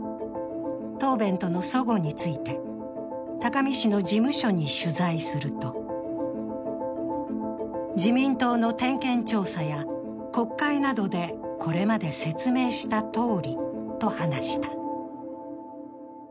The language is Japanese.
答弁とのそごについて高見氏の事務所に取材すると自民党の点検調査や国会などでこれまで説明したとおりと話した。